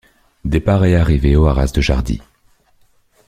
Départ et arrivée au haras de Jardy.